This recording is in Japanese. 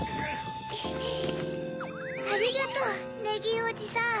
ありがとうネギーおじさん。